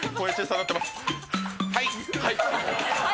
はい。